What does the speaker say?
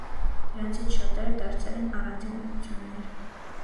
Դրանցից շատերը դարձել են առանձին ուղղություններ։